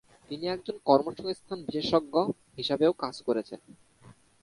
তিনি একজন কর্মসংস্থান বিশেষজ্ঞ হিসেবেও কাজ করেছেন।